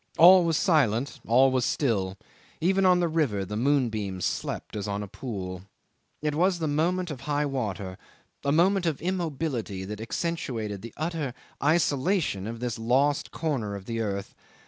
All was silent, all was still; even on the river the moonbeams slept as on a pool. It was the moment of high water, a moment of immobility that accentuated the utter isolation of this lost corner of the earth.